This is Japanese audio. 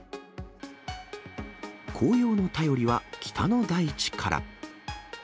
紅葉の便りは北の大地から。